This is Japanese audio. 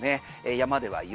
山では雪。